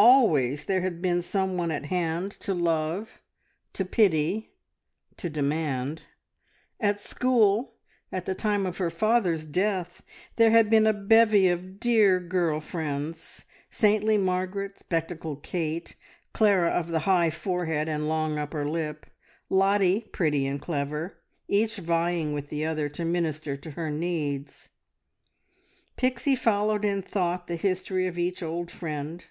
Always there had been some one at hand to love, to pity, to demand. At school, at the time of her father's death, there had been a bevy of dear girl friends saintly Margaret, spectacled Kate, Clara of the high forehead and long upper lip, Lottie, pretty and clever, each vieing with the other to minister to her needs. Pixie followed in thought the history of each old friend.